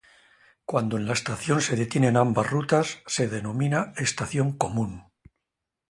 Cuando en la estación se detienen ambas rutas se denomina estación común.